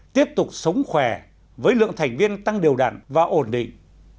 tiếp tục sống khỏe với lượng thành viên tăng đều đặn và ổn định